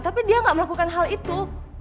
tapi dia gak melakukan hal itu